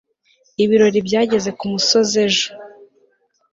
ibirori byageze kumusozi ejo